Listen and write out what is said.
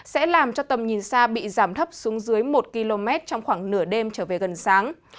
sẽ làm cho tầm nhìn xa bị giảm thấp xuống dưới một km trong khoảng nửa đêm trở về gần sáng